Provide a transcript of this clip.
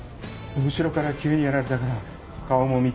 後ろから急にやられたから顔も見てない。